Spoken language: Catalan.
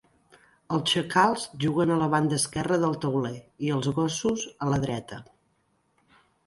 Els xacals juguen a la banda esquerra del tauler i els gossos a la dreta.